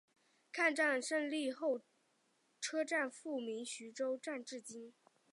抗战胜利后车站复名徐州站至今。